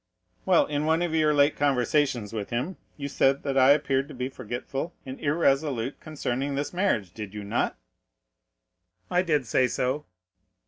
"Well, in one of your late conversations with him, you said that I appeared to be forgetful and irresolute concerning this marriage, did you not?" "I did say so."